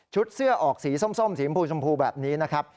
เสื้อออกสีส้มสีชมพูชมพูแบบนี้นะครับ